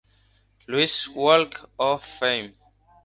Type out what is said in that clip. Louis Walk of Fame.